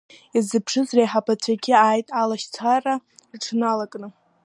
Иззыԥшыз реиҳабацәагьы ааит алашьцара рыҽналакны.